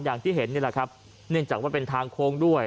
อย่างที่เห็นนี่แหละครับเนื่องจากว่าเป็นทางโค้งด้วย